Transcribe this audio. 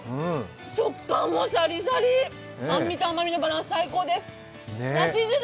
食感もシャリシャリ、酸味と甘みのバランス、最高です。